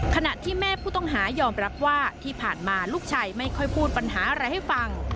ขณะที่แม่ผู้ต้องหายอมรับว่าที่ผ่านมาลูกชายไม่ค่อยพูดปัญหาอะไรให้ฟัง